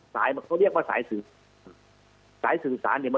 สายที่เราเรียกว่าสายสื่อสารเนี่ย